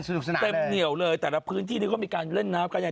เต็มเหนียวเลยแต่ละพื้นที่นี้เขามีการเล่นน้ำกันอย่าง